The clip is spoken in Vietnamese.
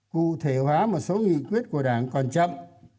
cụ thể hóa một số nghị quyết của đảng còn chậm